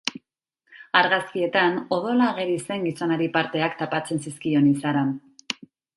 Argazkietan, odola ageri zen gizonari parteak tapatzen zizkion izaran.